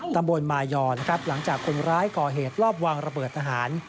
ตำบลมายอนะครับหลังจากคนร้ายก่อเหตุรอบวางระเบิดทหาร